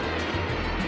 jangan makan aku